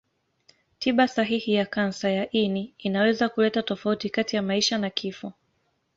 Tiba sahihi ya kansa ya ini inaweza kuleta tofauti kati ya maisha na kifo.